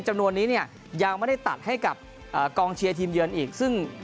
จำนวนนี้เนี่ยยังไม่ได้ตัดให้กับกองเชียร์ทีมเยือนอีกซึ่ง